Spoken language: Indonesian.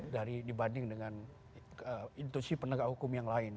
dibanding dengan intusi penegak hukum yang lain